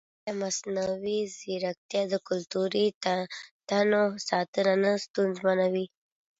ایا مصنوعي ځیرکتیا د کلتوري تنوع ساتنه نه ستونزمنوي؟